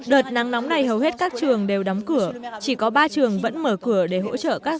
đợt nắng nóng này hầu hết các trường đều đóng cửa chỉ có ba trường vẫn mở cửa để hỗ trợ các